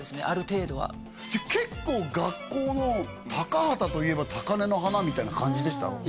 ある程度は結構学校の高畑といえば高嶺の花みたいな感じでした？